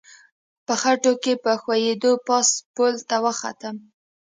په خټو کې په ښویېدو پاس پل ته وختم.